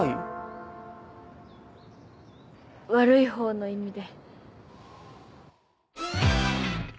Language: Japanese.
悪い方の意味で。